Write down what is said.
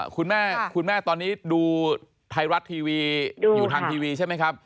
คุณแม่คุณแม่ตอนนี้ดูไทยรัฐทีวีอยู่ทางทีวีใช่ไหมครับ